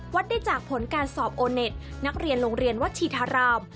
ได้จากผลการสอบโอเน็ตนักเรียนโรงเรียนวัชชีธาราม